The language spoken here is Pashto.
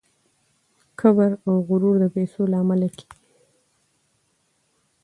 کبر او غرور د پیسو له امله کیږي.